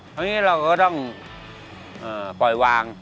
อย่างนี้เราก็ต้องปล่อยวาง